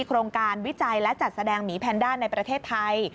โครงการวิจัยและจัดแสดงหมีแพนด้าในประเทศไทย